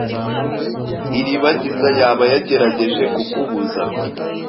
Iribagiza yaba yagerageje kukubuza.